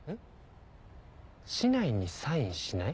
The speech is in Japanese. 竹刀にサインしない？